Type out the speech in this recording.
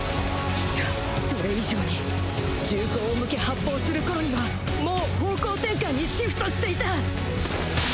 いやそれ以上に銃口を向け発砲する頃にはもう方向転換にシフトしていた！